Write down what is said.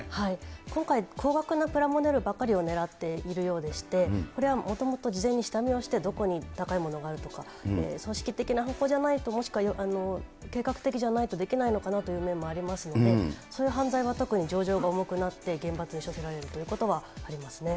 今回、高額なプラモデルばかりを狙っているようでして、これはもともと事前に下見をしてどこに高いものがあるとか、組織的な犯行じゃないと、もしくは計画的な犯行じゃないとできないのかなという面もありますので、そういう犯罪は特に情状が重くなって、厳罰に処せられるということはありますね。